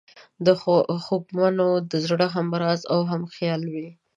د خوږمنو د زړه همراز او همخیال وي.